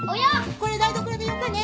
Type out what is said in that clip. これ台所でよかね。